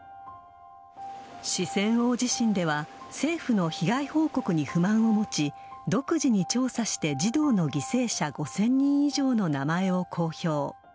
四川大地震では政府の被害報告に不満を持ち、独自に調査して児童の犠牲者５０００人以上の名前を公表。